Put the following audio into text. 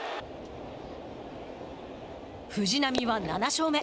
藤浪は７勝目。